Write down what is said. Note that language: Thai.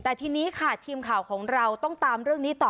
แต่ทีนี้ค่ะทีมข่าวของเราต้องตามเรื่องนี้ต่อ